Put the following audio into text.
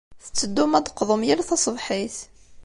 Tetteddum ad d-teqḍum yal taṣebḥit.